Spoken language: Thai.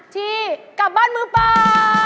ที่กลับบ้านมือเปล่า